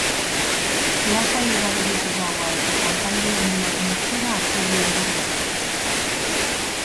Lasai igaro dute gaua eta kanpaldi handi baten itxura hartu du inguruak.